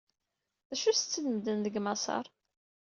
D acu setten medden deg Maṣer?